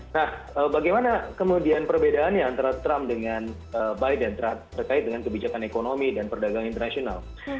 nah bagaimana kemudian perbedaannya antara trump dengan biden terkait dengan kebijakan ekonomi dan perdagangan internasional